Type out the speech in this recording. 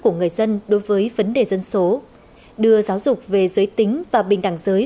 của người dân đối với vấn đề dân số đưa giáo dục về giới tính và bình đẳng giới